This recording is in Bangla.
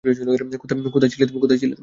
কোথায় ছিলে তুমি?